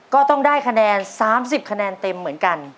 ก็ต้องได้คะแนน๓๐คะแนนเต็มเหมือนกัน